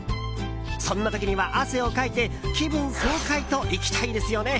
そんな時には汗をかいて気分爽快といきたいですよね。